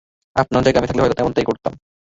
আপনার জায়গায় আমি থাকলেও হয়ত তেমনটাই করতাম।